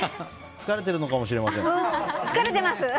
疲れてるのかもしれません。